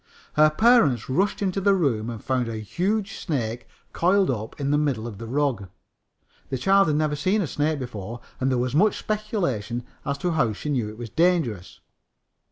Her parents rushed into the room and found a huge snake coiled up in the middle of the rug. The child had never seen a snake before, and there was much speculation as to how she knew it was dangerous.